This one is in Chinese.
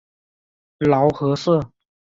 劳合社。